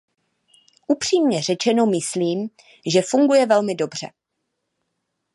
Upřímně řečeno myslím, že funguje velmi dobře.